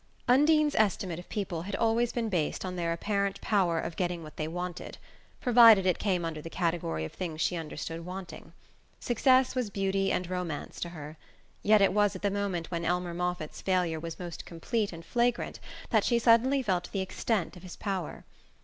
Undine's estimate of people had always been based on their apparent power of getting what they wanted provided it came under the category of things she understood wanting. Success was beauty and romance to her; yet it was at the moment when Elmer Moffatt's failure was most complete and flagrant that she suddenly felt the extent of his power.